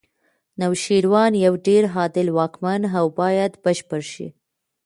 نوشیروان یو ډېر عادل واکمن و باید بشپړ شي.